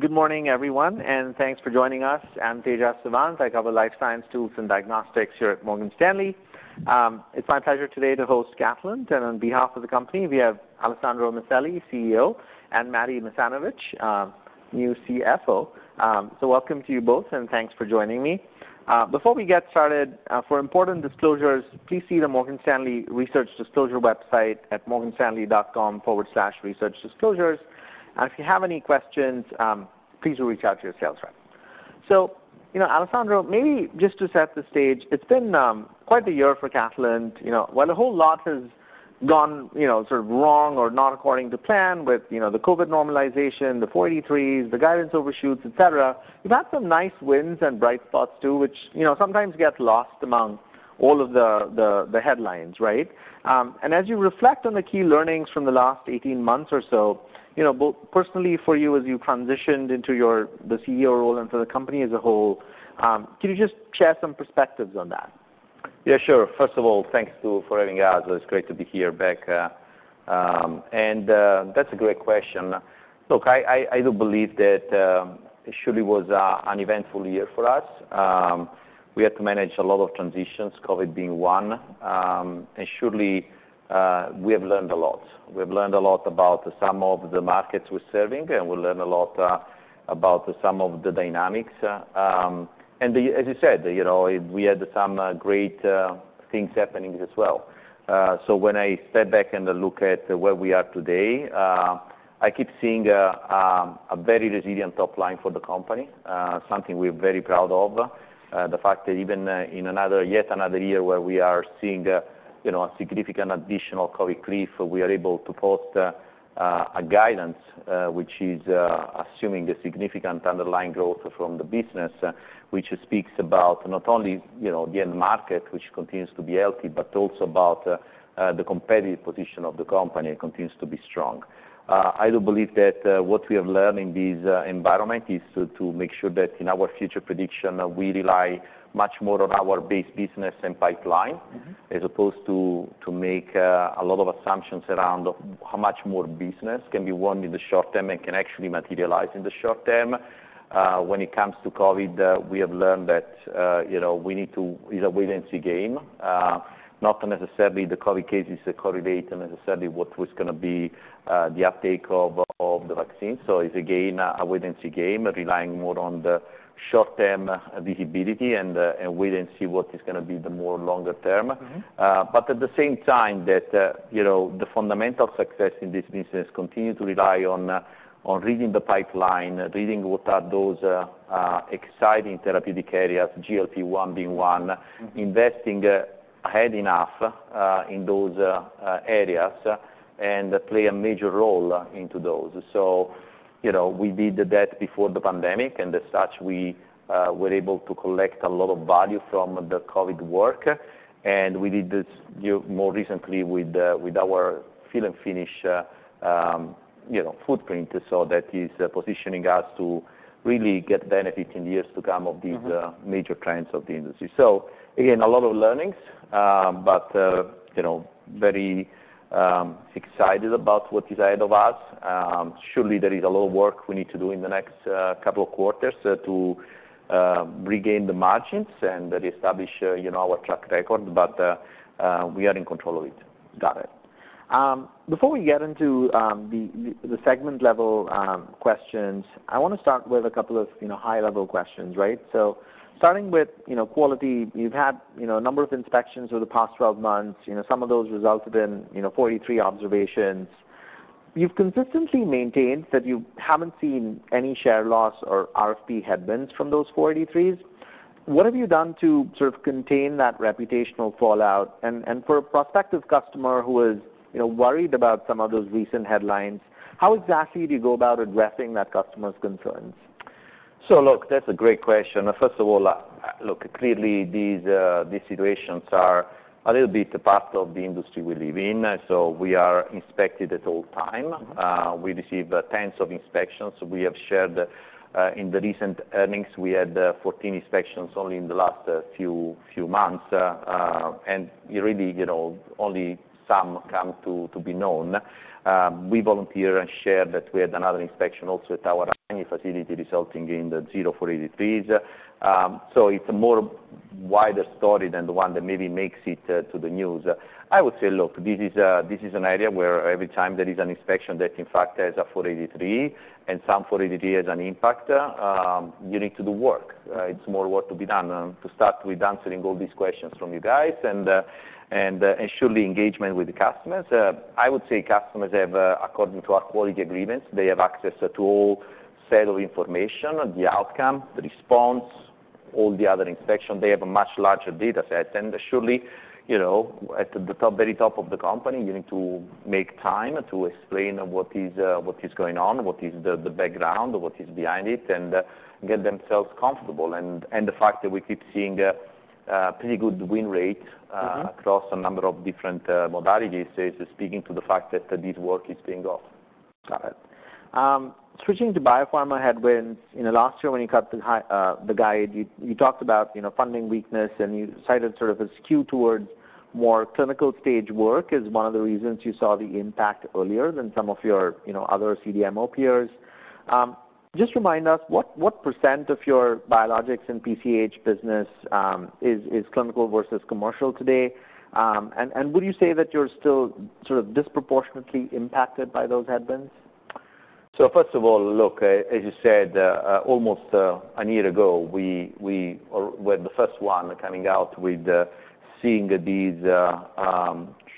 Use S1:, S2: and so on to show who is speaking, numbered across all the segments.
S1: Good morning, everyone, and thanks for joining us. I'm Tejas Savant. I cover life science tools and diagnostics here at Morgan Stanley. It's my pleasure today to host Catalent, and on behalf of the company, we have Alessandro Maselli, CEO, and Matti Masanovich, new CFO. So welcome to you both, and thanks for joining me. Before we get started, for important disclosures, please see the Morgan Stanley Research Disclosure website at morganstanley.com/researchdisclosures. And if you have any questions, please reach out to your sales rep. So, you know, Alessandro, maybe just to set the stage, it's been quite the year for Catalent. You know, while a whole lot has gone, you know, sort of wrong or not according to plan with, you know, the COVID normalization, the 483s, the guidance overshoots, et cetera, you've had some nice wins and bright spots, too, which, you know, sometimes get lost among all of the headlines, right? And as you reflect on the key learnings from the last 18 months or so, you know, both personally for you as you transitioned into your—the CEO role and for the company as a whole, can you just share some perspectives on that?
S2: Yeah, sure. First of all, thanks to-- for having us. It's great to be here back, that's a great question. Look, I do believe that it surely was an eventful year for us. We had to manage a lot of transitions, COVID being one. And surely, we have learned a lot. We've learned a lot about some of the markets we're serving, and we learned a lot about some of the dynamics. And as you said, you know, we had some great things happening as well. So when I step back and look at where we are today, I keep seeing a very resilient top-line for the company, something we're very proud of. The fact that even in another... Yet another year where we are seeing, you know, a significant additional COVID cliff, we are able to post a guidance, which is assuming a significant underlying growth from the business, which speaks about not only, you know, the end market, which continues to be healthy, but also about the competitive position of the company continues to be strong. I do believe that what we have learned in this environment is to make sure that in our future prediction, we rely much more on our base business and pipeline-
S1: Mm-hmm.
S2: As opposed to, to make, a lot of assumptions around how much more business can be won in the short term and can actually materialize in the short-term. When it comes to COVID, we have learned that, you know, we need to... It's a wait-and-see game. Not necessarily the COVID cases correlate necessarily what was gonna be, the uptake of, of the vaccine. So it's, again, a wait-and-see game, relying more on the short-term visibility and, and wait and see what is gonna be the more longer term.
S1: Mm-hmm.
S2: But at the same time, that, you know, the fundamental success in this business continue to rely on, on reading the pipeline, reading what are those, exciting therapeutic areas, GLP-1 being one.
S1: Mm-hmm.
S2: Investing ahead enough in those areas, and play a major role into those. So, you know, we did that before the pandemic, and as such, we were able to collect a lot of value from the COVID work, and we did this more recently with, with our fill and finish you know, footprint. So that is positioning us to really get benefit in years to come of these-
S1: Mm-hmm.
S2: Major trends of the industry. So again, a lot of learning, but, you know, very excited about what is ahead of us. Surely, there is a lot of work we need to do in the next couple of quarters to regain the margins and reestablish, you know, our track record, but we are in control of it.
S1: Got it. Before we get into the segment-level questions, I want to start with a couple of, you know, high-level questions, right? So starting with, you know, quality, you've had, you know, a number of inspections over the past 12 months. You know, some of those resulted in, you know, 483 observations. You've consistently maintained that you haven't seen any share loss or RFP headwinds from those 483s. What have you done to sort of contain that reputational fallout? And for a prospective customer who is, you know, worried about some of those recent headlines, how exactly do you go about addressing that customer's concerns?
S2: So look, that's a great question. First of all, look, clearly, these situations are a little bit a part of the industry we live in, so we are inspected at all time.
S1: Mm-hmm.
S2: We receive tens of inspections. We have shared in the recent earnings, we had 14 inspections only in the last few months, and really, you know, only some come to be known. We volunteer and share that we had another inspection also at our facility, resulting in the zero 483s. So it's a more wider story than the one that maybe makes it to the news. I would say, look, this is an area where every time there is an inspection, that in fact, there is a 483, and some 483 has an impact, you need to do work. It's more work to be done to start with answering all these questions from you guys, and surely engagement with the customers. I would say customers have, according to our quality agreements, they have access to all set of information, the outcome, the response, all the other inspections. They have a much larger data set. And surely, you know, at the top, very top of the company, you need to make time to explain what is, what is going on, what is the, the background, what is behind it, and, get themselves comfortable. And, and the fact that we keep seeing, a pretty good win rate-
S1: Mm-hmm...
S2: across a number of different modalities is speaking to the fact that this work is paying off.
S1: Got it. Switching to biopharma headwinds, you know, last year when you cut the high, the guide, you, you talked about, you know, funding weakness, and you cited sort of a skew towards more clinical stage work as one of the reasons you saw the impact earlier than some of your, you know, other CDMO peers. Just remind us, what, what percent of your biologics and PCH business, is, is clinical versus commercial today? And, would you say that you're still sort of disproportionately impacted by those headwinds?
S2: So first of all, look, as you said, almost a year ago, we were the first one coming out with seeing these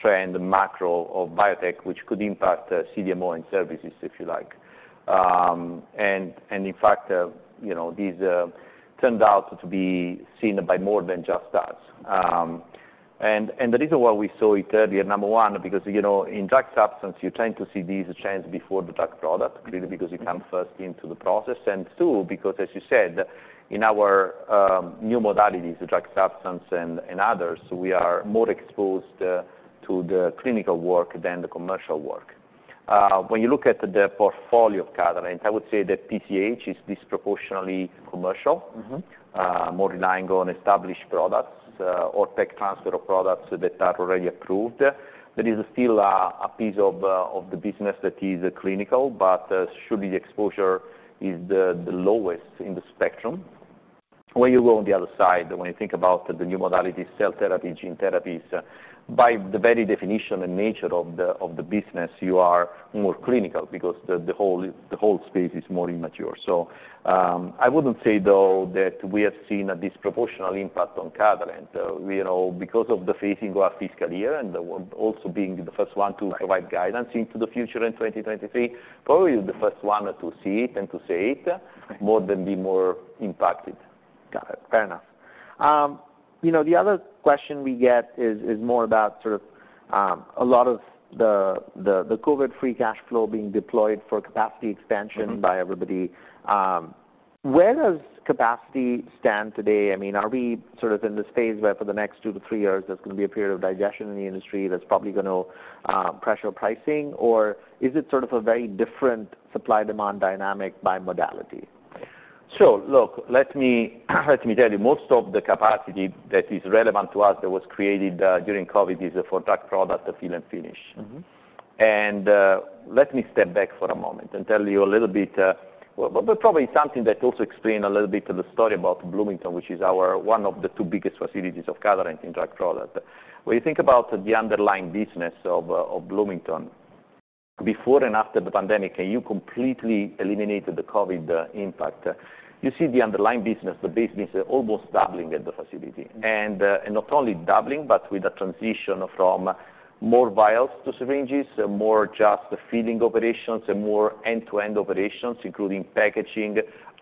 S2: trends, macro of biotech, which could impact CDMO and services, if you like. And in fact, you know, these turned out to be seen by more than just us. And the reason why we saw it earlier, number one, because, you know, in drug substances, you tend to see these trends before the drug product, really, because you come first into the process. And two, because as you said, in our new modalities, the drug substance and others, we are more exposed to the clinical work than the commercial work. When you look at the portfolio of Catalent, I would say that PCH is disproportionately commercial-
S1: Mm-hmm.
S2: more relying on established products, or tech transfer of products that are already approved. There is still a piece of the business that is clinical, but should be the exposure is the lowest in the spectrum. When you go on the other side, when you think about the new modality, cell therapy, gene therapies, by the very definition and nature of the business, you are more clinical because the whole space is more immature. So, I wouldn't say, though, that we have seen a disproportional impact on Catalent. You know, because of the phasing of our fiscal year and the world also being the first one to-
S1: Right...
S2: provide guidance into the future in 2023, probably the first one to see it and to say it-
S1: Right
S2: more than be more impacted.
S1: Got it. Fair enough. You know, the other question we get is more about sort of a lot of the COVID free cash flow being deployed for capacity expansion-
S2: Mm-hmm
S1: -by everybody. Where does capacity stand today? I mean, are we sort of in this phase where for the next two to three years, there's gonna be a period of digestion in the industry that's probably gonna pressure pricing, or is it sort of a very different supply-demand dynamic by modality?
S2: So look, let me, let me tell you, most of the capacity that is relevant to us that was created during COVID is for drug product, the fill and finish.
S1: Mm-hmm.
S2: And, let me step back for a moment and tell you a little bit, well, but probably something that also explain a little bit to the story about Bloomington, which is our one of the two biggest facilities of Catalent in drug product. When you think about the underlying business of Bloomington, before and after the pandemic, and you completely eliminated the COVID impact, you see the underlying business, the business, almost doubling at the facility.
S1: Mm-hmm.
S2: not only doubling, but with a transition from more vials to syringes, more just filling operations and more end-to-end operations, including packaging,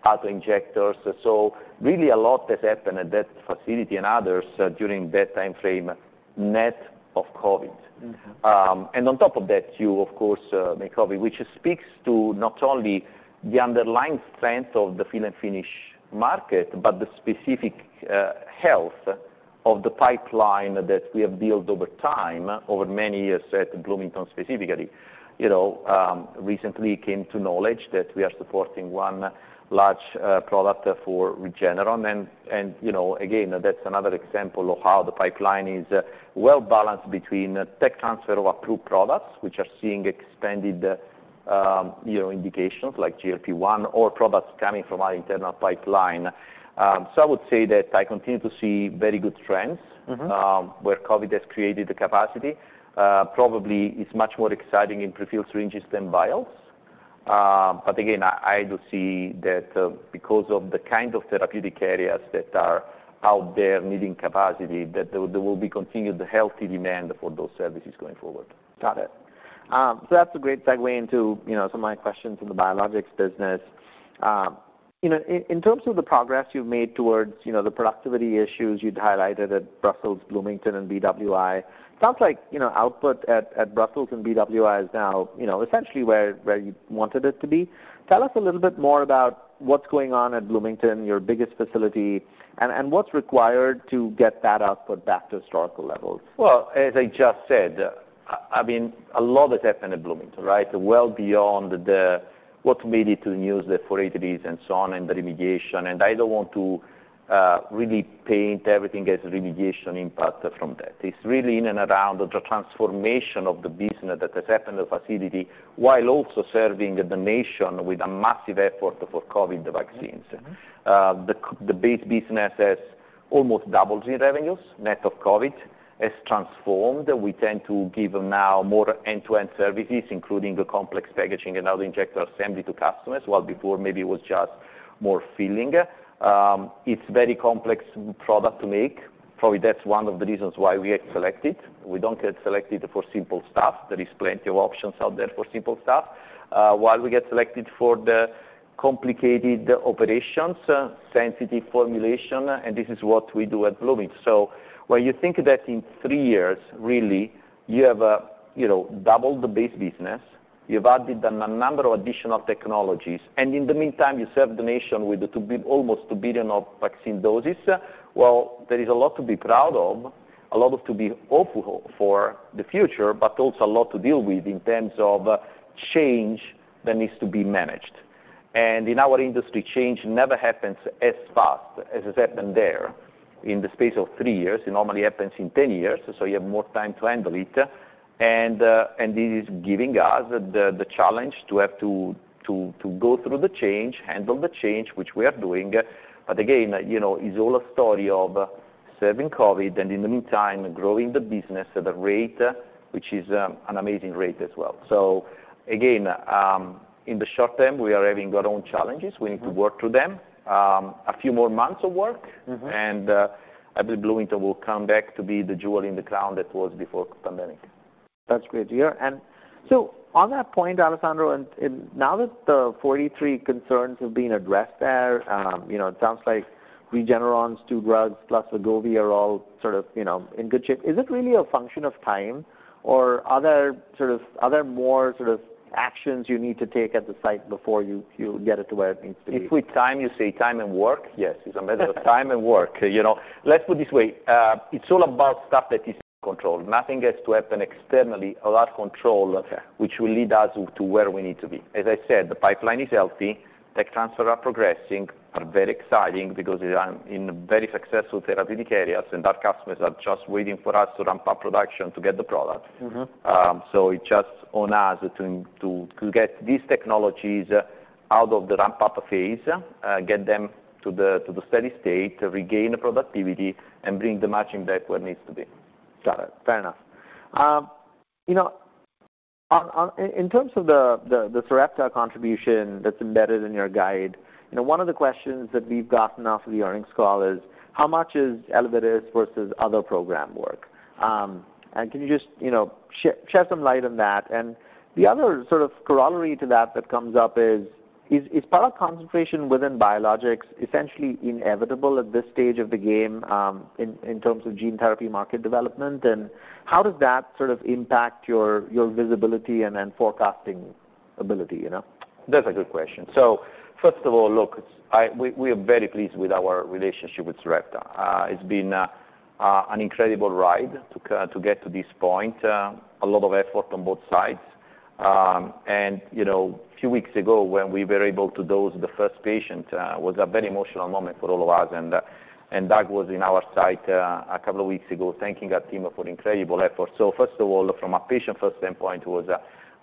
S2: auto-injectors. So really a lot that happened at that facility and others, during that time frame, net of COVID.
S1: Mm-hmm.
S2: And on top of that, you, of course, make COVID, which speaks to not only the underlying strength of the fill and finish market, but the specific health of the pipeline that we have built over time, over many years at Bloomington, specifically. You know, recently came to knowledge that we are supporting one large product for Regeneron. And you know, again, that's another example of how the pipeline is well balanced between tech transfer of approved products, which are seeing expanded, you know, indications like GLP-1, or products coming from our internal pipeline. So I would say that I continue to see very good trends-
S1: Mm-hmm
S2: where COVID has created the capacity. Probably it's much more exciting in prefilled syringes than vials. But again, I do see that, because of the kind of therapeutic areas that are out there needing capacity, that there will be continued healthy demand for those services going forward.
S1: Got it. So that's a great segue into, you know, some of my questions in the biologics business. You know, in terms of the progress you've made towards, you know, the productivity issues you'd highlighted at Brussels, Bloomington, and BWI, sounds like, you know, output at Brussels and BWI is now, you know, essentially where you wanted it to be. Tell us a little bit more about what's going on at Bloomington, your biggest facility, and what's required to get that output back to historical levels?
S2: Well, as I just said, I mean, a lot has happened at Bloomington, right? Well beyond what made it to the news, the 483s and so on, and the remediation. I don't want to really paint everything as remediation impact from that. It's really in and around the transformation of the business that has happened in the facility, while also serving the nation with a massive effort for COVID vaccines.
S1: Mm-hmm.
S2: The base business has almost doubled in revenues, net of COVID, has transformed. We tend to give now more end-to-end services, including the complex packaging and other injector assembly to customers, while before maybe it was just more filling. It's very complex product to make. Probably that's one of the reasons why we get selected. We don't get selected for simple stuff. There is plenty of options out there for simple stuff. While we get selected for the complicated operations, sensitive formulation, and this is what we do at Bloomington. So when you think that in three years, really, you have, you know, doubled the base business, you've added a number of additional technologies, and in the meantime, you serve the nation with almost 2 billion vaccine doses, well, there is a lot to be proud of, a lot to be hopeful for the future, but also a lot to deal with in terms of change that needs to be managed. And in our industry, change never happens as fast as it's happened there in the space of three years. It normally happens in 10 years, so you have more time to handle it. And this is giving us the challenge to have to go through the change, handle the change, which we are doing. But again, you know, it's all a story of serving COVID, and in the meantime, growing the business at a rate which is an amazing rate as well. So again, in the short term, we are having our own challenges.
S1: Mm-hmm.
S2: We need to work through them. A few more months of work-
S1: Mm-hmm.
S2: I believe Bloomington will come back to be the jewel in the crown that was before pandemic.
S1: That's great to hear. And so on that point, Alessandro, and now that the 483 concerns have been addressed there, you know, it sounds like Regeneron's two drugs, plus Wegovy, are all sort of, you know, in good shape. Is it really a function of time or other sort of, are there more sort of actions you need to take at the site before you get it to where it needs to be?
S2: If with time, you say time and work? Yes. It's a matter of time and work. You know, let's put it this way, it's all about stuff that is controlled. Nothing has to happen externally, a lot of control-
S1: Okay...
S2: which will lead us to where we need to be. As I said, the pipeline is healthy, tech transfer are progressing, are very exciting because they are in very successful therapeutic areas, and our customers are just waiting for us to ramp up production to get the product.
S1: Mm-hmm.
S2: So it's just on us to get these technologies out of the ramp-up phase, get them to the steady state, regain productivity, and bring the margin back where it needs to be.
S1: Got it. Fair enough. You know, in terms of the Sarepta contribution that's embedded in your guide, you know, one of the questions that we've gotten off of the earnings call is: How much is ELEVIDYS versus other program work? And can you just, you know, shed some light on that? And the other sort of corollary to that that comes up is: Is product concentration within biologics essentially inevitable at this stage of the game, in terms of gene therapy market development? And how does that sort of impact your visibility and then forecasting ability, you know?
S2: That's a good question. So first of all, look, we are very pleased with our relationship with Sarepta. It's been an incredible ride to get to this point, a lot of effort on both sides. And, you know, a few weeks ago, when we were able to dose the first patient, was a very emotional moment for all of us, and Doug was in our site a couple of weeks ago, thanking our team for incredible effort. So first of all, from a patient-first standpoint, it was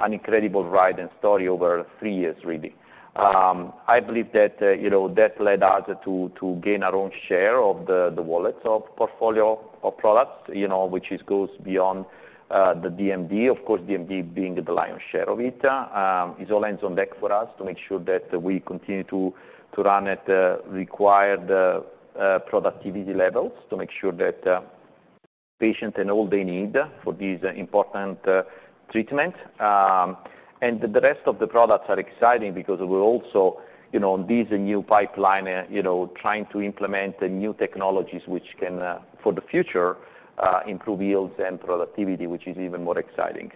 S2: an incredible ride and story over three years, really. I believe that, you know, that led us to gain our own share of the wallets of portfolio of products, you know, which goes beyond the DMD. Of course, DMD being the lion's share of it. It's all hands on deck for us to make sure that we continue to run at required productivity levels, to make sure that patients and all they need for this important treatment. And the rest of the products are exciting because we're also, you know, this a new pipeline, you know, trying to implement the new technologies, which can for the future improve yields and productivity, which is even more exciting.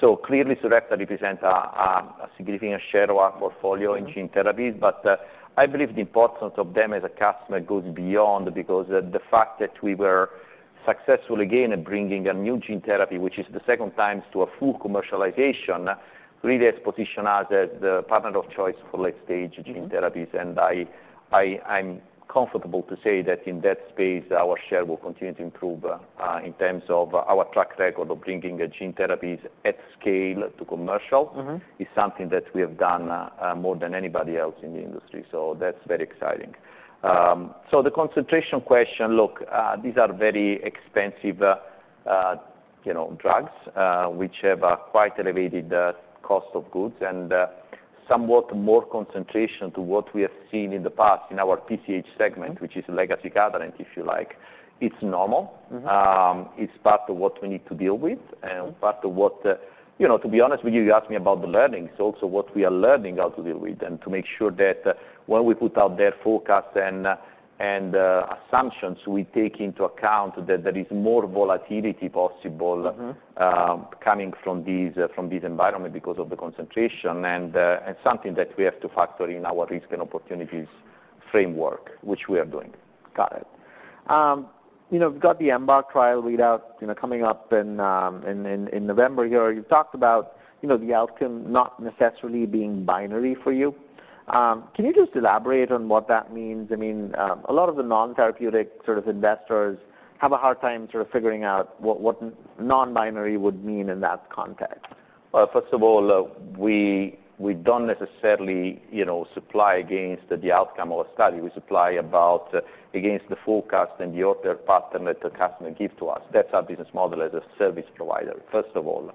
S2: So clearly, Sarepta represents a significant share of our portfolio-
S1: Mm-hmm...
S2: in gene therapies. But, I believe the importance of them as a customer goes beyond, because the fact that we were successful again in bringing a new gene therapy, which is the second time, to a full commercialization, really has positioned us as the partner of choice for late-stage gene therapies.
S1: Mm-hmm.
S2: I'm comfortable to say that in that space, our share will continue to improve in terms of our track record of bringing gene therapies at scale to commercial-
S1: Mm-hmm...
S2: is something that we have done more than anybody else in the industry, so that's very exciting. So the concentration question: Look, these are very expensive, you know, drugs, which have a quite elevated cost of goods and somewhat more concentration to what we have seen in the past in our PCH segment, which is legacy gathering, if you like. It's normal.
S1: Mm-hmm.
S2: It's part of what we need to deal with-
S1: Mm-hmm...
S2: and part of what, you know, to be honest with you, you asked me about the learnings, so also what we are learning how to deal with, and to make sure that when we put out their forecast and assumptions, we take into account that there is more volatility possible-
S1: Mm-hmm...
S2: coming from these, from this environment because of the concentration, and, and something that we have to factor in our risks and opportunities framework, which we are doing.
S1: Got it. You know, we've got the EMBARK trial readout, you know, coming up in November here. You've talked about, you know, the outcome not necessarily being binary for you. Can you just elaborate on what that means? I mean, a lot of the non-therapeutic sort of investors have a hard time sort of figuring out what non-binary would mean in that context.
S2: Well, first of all, we don't necessarily, you know, supply against the outcome of a study. We supply about against the forecast and the other partner that the customer give to us. That's our business model as a service provider, first of all.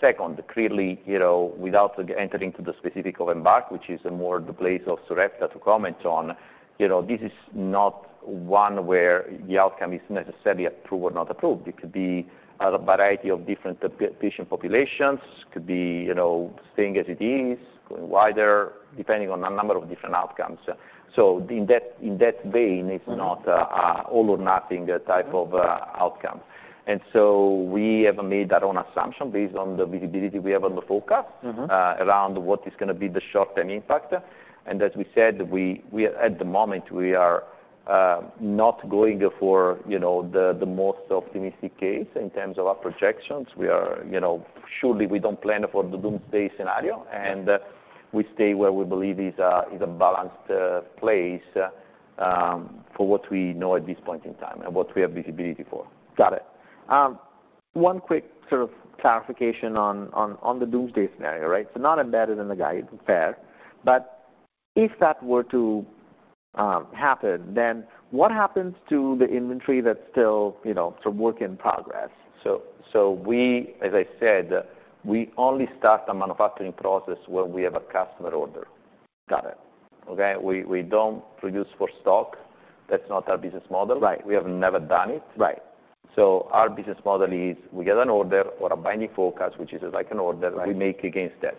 S2: Second, clearly, you know, without entering into the specific of EMBARK, which is more the place of Sarepta to comment on, you know, this is not one where the outcome is necessarily approved or not approved. It could be a variety of different patient populations. It could be, you know, staying as it is, going wider, depending on a number of different outcomes. So in that vein-
S1: Mm-hmm...
S2: it's not an all or nothing type of
S1: Mm-hmm...
S2: outcome. And so we have made our own assumption based on the visibility we have on the forecast.
S1: Mm-hmm...
S2: around what is gonna be the short-term impact. And as we said, at the moment, we are not going for, you know, the most optimistic case in terms of our projections. We are, you know, surely, we don't plan for the doomsday scenario, and we stay where we believe is a balanced place. For what we know at this point in time, and what we have visibility for.
S1: Got it. One quick sort of clarification on the doomsday scenario, right? So not embedded in the guide, fair, but if that were to happen, then what happens to the inventory that's still, you know, sort of work in progress?
S2: So, as I said, we only start the manufacturing process when we have a customer order.
S1: Got it.
S2: Okay? We don't produce for stock. That's not our business model.
S1: Right.
S2: We have never done it.
S1: Right.
S2: Our business model is, we get an order or a binding forecast, which is like an order-
S1: Right.
S2: We make against that.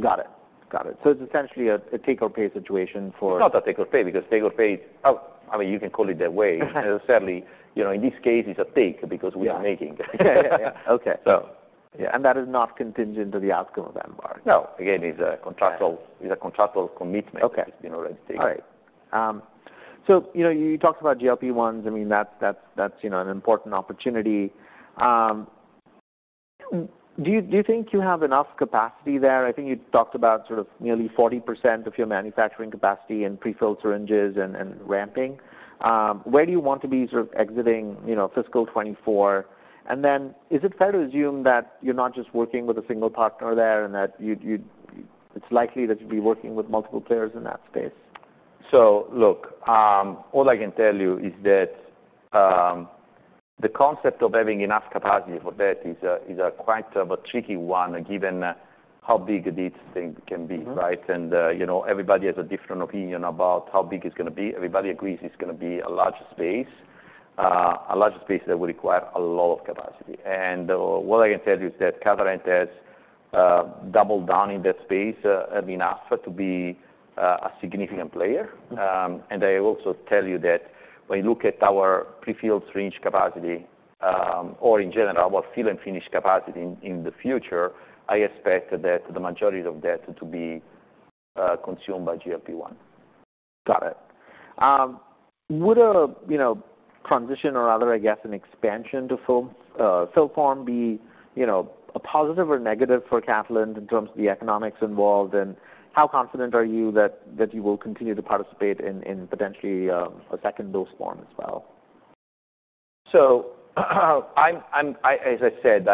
S1: Got it. Got it. So it's essentially a take or pay situation for-
S2: It's not a take or pay, because take or pay, oh, I mean, you can call it that way. Certainly, you know, in this case, it's a take because we are making.
S1: Yeah, yeah, yeah. Okay.
S2: So...
S1: Yeah, and that is not contingent to the outcome of EMBARK?
S2: No. Again, it's a contractual-
S1: Right.
S2: It's a contractual commitment.
S1: Okay.
S2: It's been registered.
S1: All right. So, you know, you talked about GLP-1s. I mean, that's, that's, that's, you know, an important opportunity. Do you, do you think you have enough capacity there? I think you talked about sort of nearly 40% of your manufacturing capacity in prefill syringes and, and ramping. Where do you want to be sort of exiting, you know, fiscal 2024? And then is it fair to assume that you're not just working with a single partner there, and that you'd, you'd, it's likely that you'll be working with multiple players in that space?
S2: So look, all I can tell you is that the concept of having enough capacity for that is quite a tricky one, given how big this thing can be.
S1: Mm-hmm.
S2: Right? And, you know, everybody has a different opinion about how big it's gonna be. Everybody agrees it's gonna be a large space, a large space that will require a lot of capacity. And, what I can tell you is that Catalent has doubled down in that space, enough to be a significant player.
S1: Mm-hmm.
S2: And I also tell you that when you look at our prefilled syringe capacity, or in general, our fill and finish capacity in the future, I expect that the majority of that to be consumed by GLP-1.
S1: Got it. Would a transition or rather, I guess, an expansion to fill/finish form be, you know, a positive or negative for Catalent in terms of the economics involved? And how confident are you that you will continue to participate in potentially a second dose form as well?
S2: So, as I said,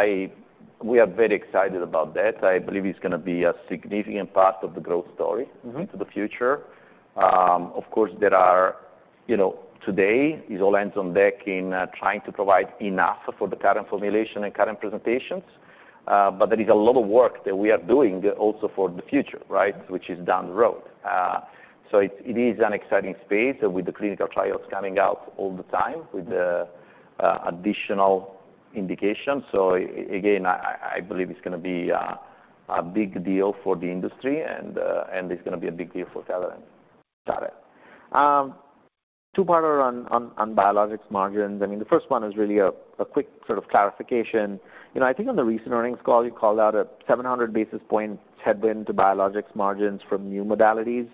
S2: we are very excited about that. I believe it's gonna be a significant part of the growth story-
S1: Mm-hmm...
S2: into the future. Of course, there are... You know, today, it's all hands on deck in trying to provide enough for the current formulation and current presentations. But there is a lot of work that we are doing also for the future, right? Which is down the road. So it is an exciting space with the clinical trials coming out all the time-
S1: Mm-hmm...
S2: with the additional indications. So again, I believe it's gonna be a big deal for the industry, and it's gonna be a big deal for Catalent.
S1: Got it. Two-part on biologics margins. I mean, the first one is really a quick sort of clarification. You know, I think on the recent earnings call, you called out a 700 basis points headwind to biologics margins from new modalities.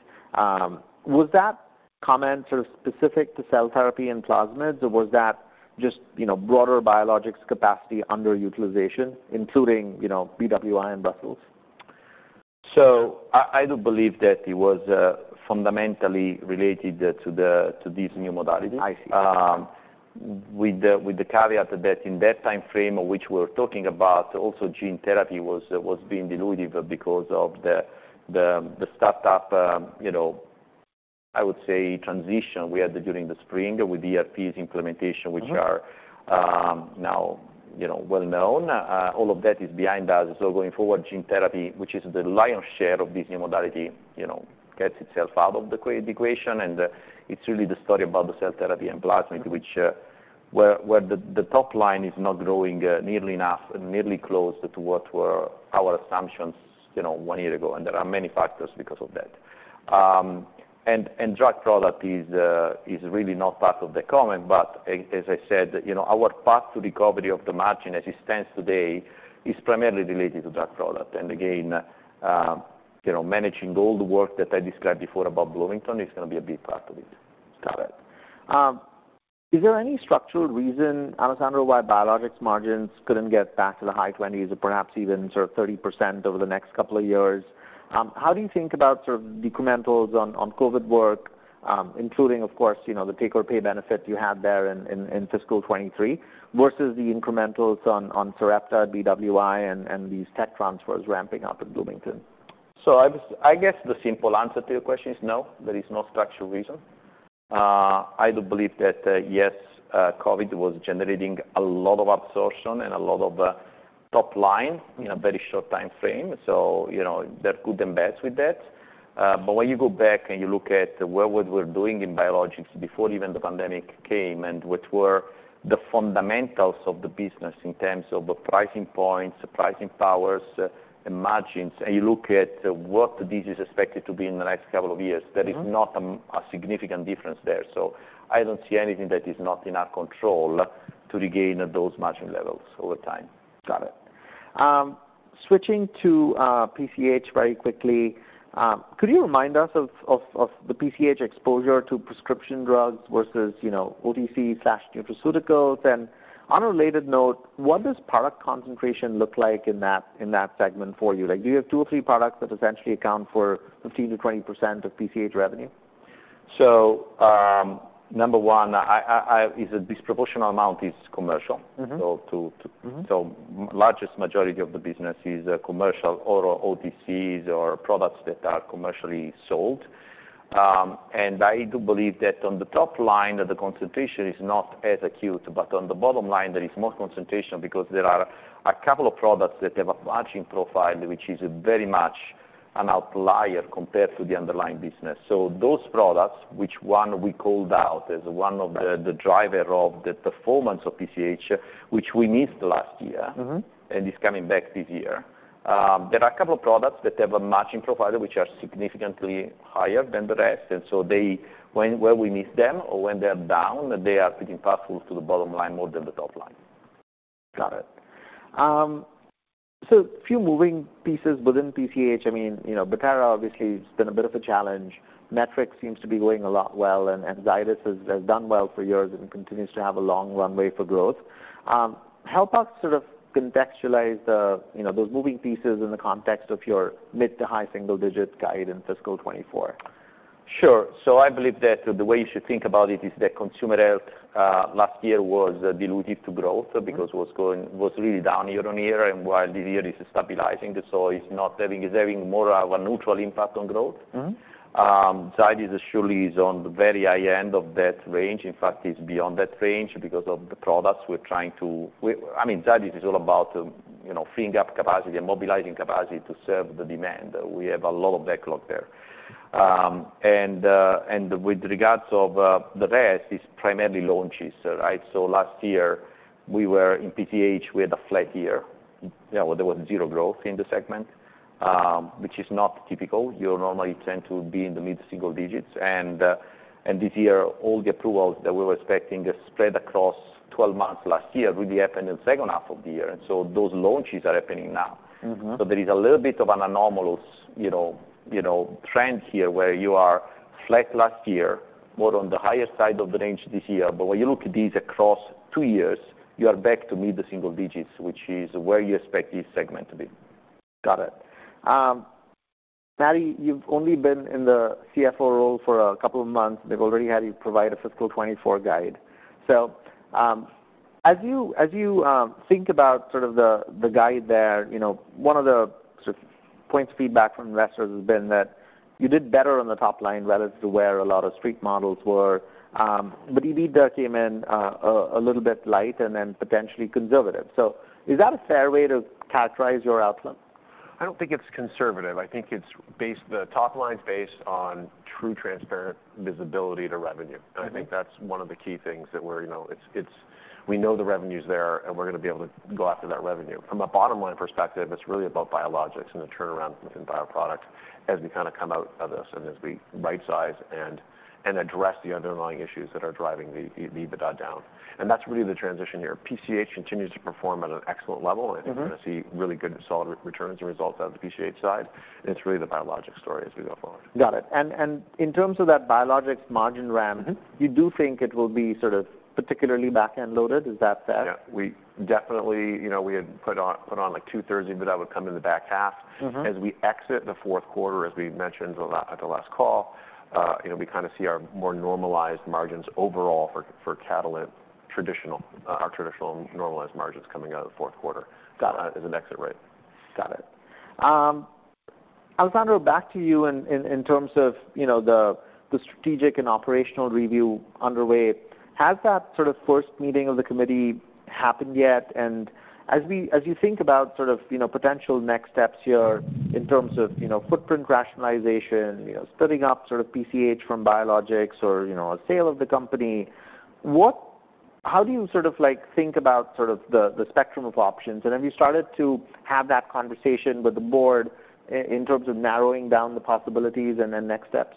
S1: Was that comment sort of specific to cell therapy and plasmids, or was that just, you know, broader biologics capacity under utilization, including, you know, BWI and Brussels?
S2: So I do believe that it was fundamentally related to these new modalities.
S1: I see.
S2: With the caveat that in that time frame, which we're talking about, also gene therapy was being dilutive because of the startup, you know, I would say, transition we had during the spring with ERP's implementation-
S1: Mm-hmm...
S2: which are, now, you know, well known. All of that is behind us. So going forward, gene therapy, which is the lion's share of this new modality, you know, gets itself out of the equation, and it's really the story about the cell therapy and plasmid, which, where the top-line is not growing nearly enough, nearly close to what were our assumptions, you know, one year ago, and there are many factors because of that. And drug product is really not part of the comment, but as I said, you know, our path to recovery of the margin, as it stands today, is primarily related to drug product. And again, you know, managing all the work that I described before about Bloomington is gonna be a big part of it.
S1: Got it. Is there any structural reason, Alessandro, why biologics margins couldn't get back to the high 20s% or perhaps even sort of 30% over the next couple of years? How do you think about sort of decrementals on COVID work, including, of course, you know, the take or pay benefit you had there in fiscal 2023, versus the incrementals on Sarepta, BWI, and these tech transfers ramping up in Bloomington?
S2: I guess the simple answer to your question is no, there is no structural reason. I do believe that, yes, COVID was generating a lot of absorption and a lot of top-line in a very short time frame, so you know, there are good and bads with that. But when you go back, and you look at where what we're doing in biologics before even the pandemic came, and what were the fundamentals of the business in terms of the pricing points, the pricing powers, and margins, and you look at what this is expected to be in the next couple of years-
S1: Mm-hmm...
S2: there is not a significant difference there. So I don't see anything that is not in our control to regain those margin levels over time.
S1: Got it. Switching to PCH very quickly. Could you remind us of the PCH exposure to prescription drugs versus, you know, OTC/Nutraceuticals? And on a related note, what does product concentration look like in that segment for you? Like, do you have two or three products that essentially account for 15%-20% of PCH revenue?...
S2: So, number one is a disproportionate amount is commercial.
S1: Mm-hmm.
S2: So, to
S1: Mm-hmm.
S2: So largest majority of the business is commercial or OTCs or products that are commercially sold. And I do believe that on the top-line, that the concentration is not as acute, but on the bottom-line, there is more concentration, because there are a couple of products that have a matching profile, which is very much an outlier compared to the underlying business. So those products, which one we called out, as one of the driver of the performance of PCH, which we missed last year-
S1: Mm-hmm.
S2: And is coming back this year. There are a couple of products that have a matching profile, which are significantly higher than the rest, and so they... When, where we miss them or when they're down, they are pretty powerful to the bottom-line more than the top-line.
S1: Got it. So a few moving pieces within PCH. I mean, you know, Bettera obviously has been a bit of a challenge. Metrics seems to be going a lot well, and Zydis has done well for years and continues to have a long runway for growth. Help us sort of contextualize the, you know, those moving pieces in the context of your mid- to high-single-digit guide in fiscal 2024.
S2: Sure. So I believe that the way you should think about it is that consumer health last year was dilutive to growth, because was really down year on year, and while this year is stabilizing, so it's having more of a neutral impact on growth.
S1: Mm-hmm.
S2: Zydis surely is on the very high end of that range. In fact, it's beyond that range because of the products we're trying to... I mean, Zydis is all about, you know, freeing up capacity and mobilizing capacity to serve the demand. We have a lot of backlog there. And with regards of the rest, it's primarily launches, right? So last year, we were in PCH, we had a flat year. You know, there was zero growth in the segment, which is not typical. You normally tend to be in the mid-single digits. And this year, all the approvals that we were expecting are spread across 12 months last year, really happened in the second half of the year, and so those launches are happening now.
S1: Mm-hmm.
S2: There is a little bit of an anomalous, you know, trend here, where you are flat last year, more on the higher side of the range this year. But when you look at these across two years, you are back to mid-single digits, which is where you expect this segment to be.
S1: Got it. Matti, you've only been in the CFO role for a couple of months. They've already had you provide a fiscal 2024 guide. So, as you think about sort of the guide there, you know, one of the sort of points of feedback from investors has been that you did better on the top-line, relative to where a lot of street models were. But EBITDA came in a little bit light and then potentially conservative. So is that a fair way to characterize your outlook?
S3: I don't think it's conservative. I think it's based, the top-line is based on true, transparent visibility to revenue.
S1: Mm-hmm.
S3: I think that's one of the key things that we're, you know, it's— we know the revenue's there, and we're gonna be able to go after that revenue. From a bottom-line perspective, it's really about biologics and the turnaround within bioproduct as we kind of come out of this, and as we rightsize and, and address the underlying issues that are driving the, the EBITDA down. That's really the transition here. PCH continues to perform at an excellent level-
S1: Mm-hmm.
S3: And you're gonna see really good, solid returns and results out of the PCH side, and it's really the biologics story as we go forward.
S1: Got it. And in terms of that biologics margin ram-
S3: Mm-hmm.
S1: You do think it will be sort of particularly back-end loaded, is that fair?
S3: Yeah. We definitely... You know, we had put on, like, two-thirds of EBITDA come in the back half.
S1: Mm-hmm.
S3: As we exit the fourth quarter, as we mentioned on the, at the last call, you know, we kind of see our more normalized margins overall for, for Catalent traditional, our traditional normalized margins coming out of the fourth quarter-
S1: Got it.
S3: as an exit rate.
S1: Got it. Alessandro, back to you in terms of, you know, the strategic and operational review underway. Has that sort of first meeting of the committee happened yet? And as you think about sort of, you know, potential next steps here in terms of, you know, footprint rationalization, you know, splitting up sort of PCH from biologics or, you know, a sale of the company, what, how do you sort of like, think about sort of the spectrum of options? And have you started to have that conversation with the board in terms of narrowing down the possibilities and then next steps?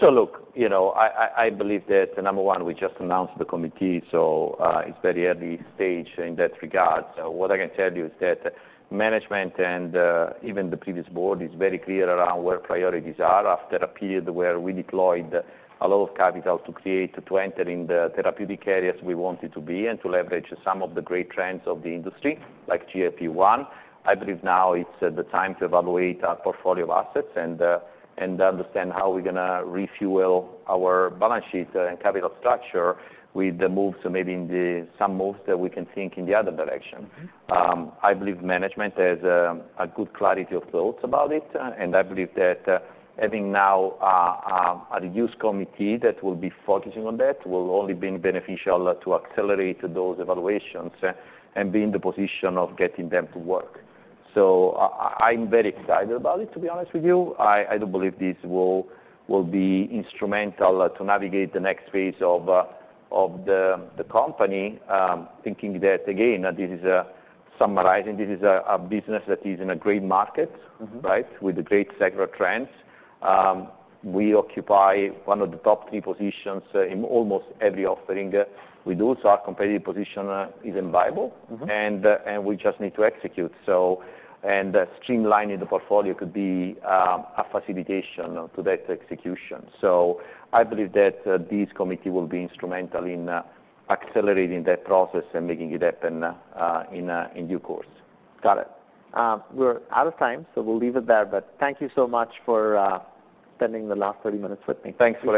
S2: So look, you know, I, I, I believe that, number one, we just announced the committee, so, it's very early stage in that regard. So what I can tell you is that management and, even the previous board, is very clear around where priorities are after a period where we deployed a lot of capital to create, to enter in the therapeutic areas we wanted to be, and to leverage some of the great trends of the industry, like GLP-1. I believe now it's, the time to evaluate our portfolio of assets and, and understand how we're gonna refuel our balance sheet and capital structure with the moves, so maybe some moves that we can think in the other direction.
S1: Mm-hmm.
S2: I believe management has a good clarity of thoughts about it, and I believe that, having now a reduced committee that will be focusing on that, will only be beneficial to accelerate those evaluations, and be in the position of getting them to work. So I'm very excited about it, to be honest with you. I do believe this will be instrumental to navigate the next phase of the company. Thinking that, again, this is summarizing, this is a business that is in a great market-
S1: Mm-hmm.
S2: Right? With the great secular trends. We occupy one of the top three positions in almost every offering we do, so our competitive position is enviable.
S1: Mm-hmm.
S2: And we just need to execute, so... And streamlining the portfolio could be a facilitation to that execution. So I believe that this committee will be instrumental in accelerating that process and making it happen in due course.
S1: Got it. We're out of time, so we'll leave it there. But thank you so much for spending the last 30 minutes with me.
S2: Thanks for having me.